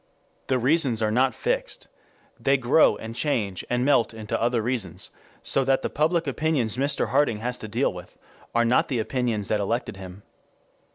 The reasons are not fixed. They grow and change and melt into other reasons, so that the public opinions Mr. Harding has to deal with are not the opinions that elected him.